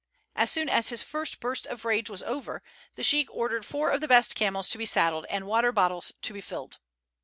As soon as his first burst of rage was over the sheik ordered four of the best camels to be saddled and water bottles to be filled.